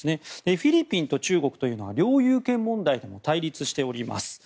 フィリピンと中国というのは領有権問題でも対立しています。